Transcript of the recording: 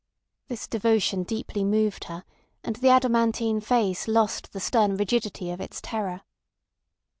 This devotion deeply moved her—and the adamantine face lost the stern rigidity of its terror.